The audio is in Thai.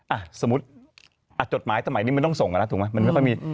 อ่ะสมมุติจดหมายสมัยนี้มันต้องส่งกันแล้วถูกไหมมันไม่ค่อยมี